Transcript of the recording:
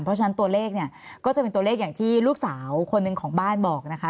เพราะฉะนั้นตัวเลขเนี่ยก็จะเป็นตัวเลขอย่างที่ลูกสาวคนหนึ่งของบ้านบอกนะคะ